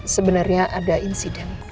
sebenarnya ada insiden